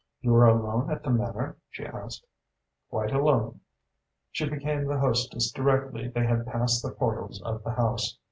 "You are alone at the Manor?" she asked. "Quite alone." She became the hostess directly they had passed the portals of the house.